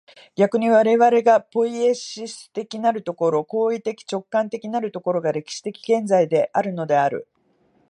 逆に我々がポイエシス的なる所、行為的直観的なる所が、歴史的現在であるのである。